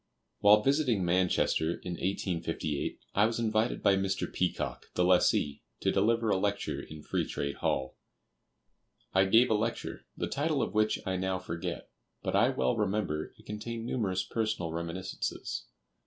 While visiting Manchester, in 1858, I was invited by Mr. Peacock, the lessee, to deliver a lecture in "Free Trade Hall." I gave a lecture, the title of which I now forget; but I well remember it contained numerous personal reminiscences.